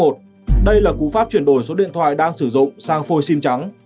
đây là cú pháp chuyển đổi số điện thoại đang sử dụng sang phôi sim trắng